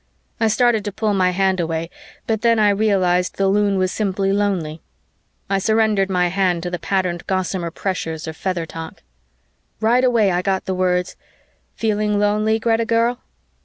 I started to pull my hand away, but then I realized the Loon was simply lonely. I surrendered my hand to the patterned gossamer pressures of feather talk. Right away I got the words, "Feeling lonely, Greta girl?"